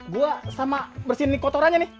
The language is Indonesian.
gue sama bersihin kotorannya nih